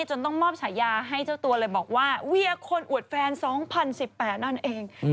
จนต้องมอบฉายาให้เจ้าตัวเลยบอกว่าเวียคนอวดแฟน๒๐๑๘นั่นเอง